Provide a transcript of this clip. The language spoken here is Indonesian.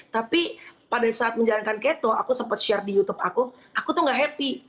tapi pada saat menjalankan keto aku sempat share di youtube aku aku tuh gak happy